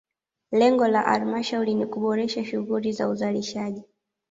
Lengo la halmashauri ni kuboresha shughuli za uzalishaji